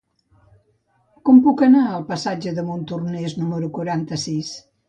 Com puc anar al passatge de Montornès número quaranta-sis?